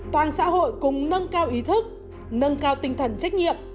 toàn xã hội cùng nâng cao ý thức nâng cao tinh thần trách nhiệm